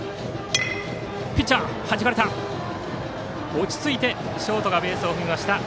落ち着いてショートがベースを踏みました。